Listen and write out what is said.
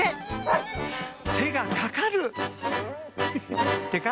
てがかかる！てか？